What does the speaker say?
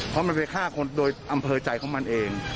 เพราะมันไปฆ่าคนโดยอำเภอใจของมันเอง